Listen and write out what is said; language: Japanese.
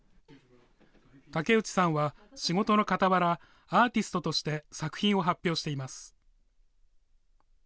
竹内さんは仕事のかたわら、アーティストとして作品を発表しています。